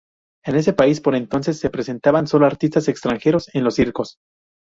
En ese país por entonces se presentaban solo artistas extranjeros en los circos.